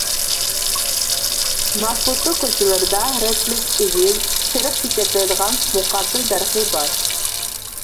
ماپۇتو كوچىلىرىدا رەتلىك ئېگىز، سېرىق چېچەكلەيدىغان مۇقاتىل دەرىخى بار.